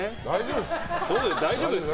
大丈夫です。